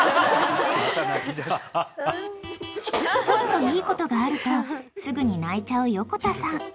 ［ちょっといいことがあるとすぐに泣いちゃう横田さん］